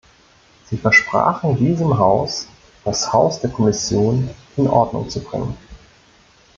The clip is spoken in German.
Sie versprachen diesem Haus, das Haus der Kommission in Ordnung zu bringen.